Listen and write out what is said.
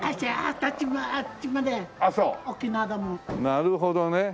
なるほどね。